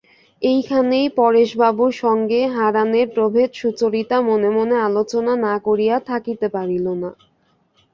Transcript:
এইখানেই পরেশবাবুর সঙ্গে হারানের প্রভেদ সুচরিতা মনে মনে আলোচনা না করিয়া থাকিতে পারিল না।